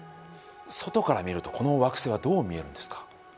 外から見るとこの惑星はどう見えるんですか？